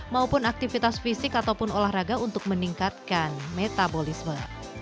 maupun aktivitas fisik ataupun olahraga untuk meningkatkan metabolisme